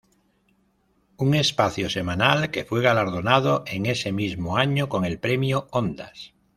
Un espacio semanal que fue galardonado, en ese mismo año, con el Premio Ondas.